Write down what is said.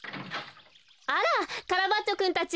あらカラバッチョくんたち。